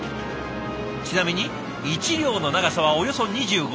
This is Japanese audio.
ちなみに１両の長さはおよそ２５メートル。